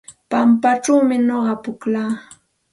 Pampachawmi nuqa pukllaa.